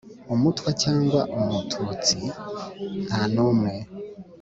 umutwa cyangwa umututsi nta n'umwe